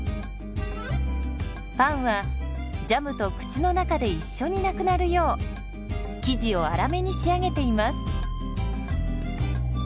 パンはジャムと口の中で一緒になくなるよう生地を粗めに仕上げています。